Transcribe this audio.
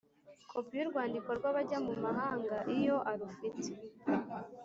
kopi y’urwandiko rw’abajya mu mahanga iyo arufite